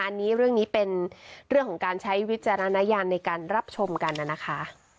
อันนี้เรื่องนี้เป็นเรื่องของการใช้วิจารณญาณในการรับชมกันนะคะ